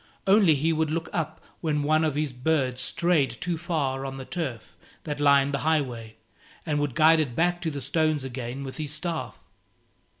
Only he would look up when one of his birds strayed too far on the turf that lined the highway, and would guide it back to the stones again with his staff.